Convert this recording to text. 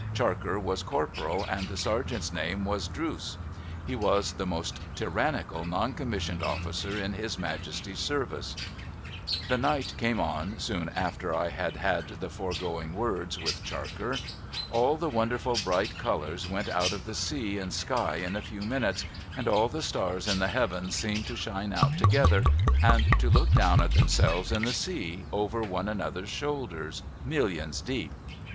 Charker was corporal, and the sergeant's name w^as Drooce. He was the most tyrannical non commissioned officer in His Majesty's service. The night came on, soon after I had had the foregoing words I. 14^ PERILS OF CERTAIN ENGLISH PRISONERS with Charkcr. All tiie wonderful bright colours went out of the sea and sky in a few minutes, and all the stars in the Heavens seemed to shine out together, and to look down at themselves in the sea, over one another's shoulders, millions deep.